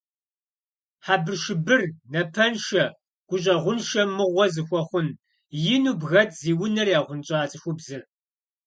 Хьэбыршыбыр, напэншэ, гущӏэгъуншэ, мыгъуэ зыхуэхъун! - ину бгэт зи унэр яхъунщӏа цӏыхубзыр.